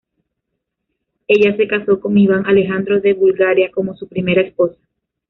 Ella se casó con Iván Alejandro de Bulgaria como su primera esposa.